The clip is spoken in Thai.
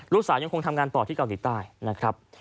ยังคงทำงานต่อที่เกาหลีใต้นะครับ